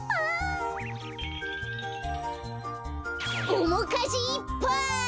おもかじいっぱい！